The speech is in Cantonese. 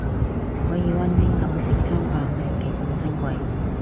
可以溫馨噉食餐飯係幾咁珍貴